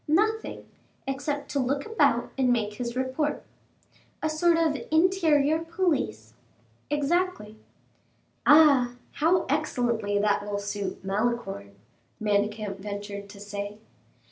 "Nothing, except to look about and make his report." "A sort of interior police?" "Exactly." "Ah, how excellently that will suit Malicorne," Manicamp ventured to say.